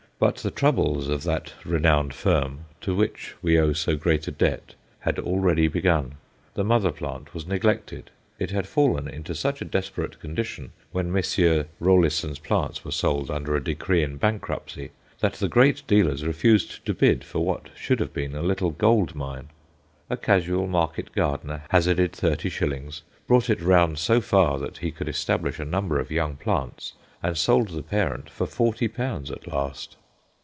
But the troubles of that renowned firm, to which we owe so great a debt, had already begun. The mother plant was neglected. It had fallen into such a desperate condition when Messrs. Rollisson's plants were sold, under a decree in bankruptcy, that the great dealers refused to bid for what should have been a little gold mine. A casual market gardener hazarded thirty shillings, brought it round so far that he could establish a number of young plants, and sold the parent for forty pounds at last.